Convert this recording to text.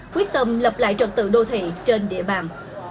quyết tâm lập lại trật tự đô thị trên địa bàn